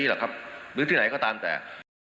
หรือที่ไหนก็ตามแต่